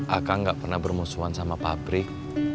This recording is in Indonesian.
akang gak pernah bermusuhan sama pabrik